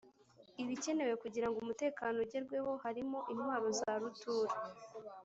ibikenewe kugira ngo umutekano ugerweho harimo intwaro zarutura